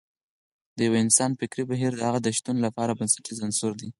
د يو انسان فکري بهير د هغه د شتون لپاره بنسټیز عنصر دی.